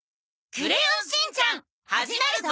『クレヨンしんちゃん』始まるぞ。